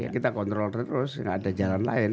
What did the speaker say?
kita kontrol terus nggak ada jalan lain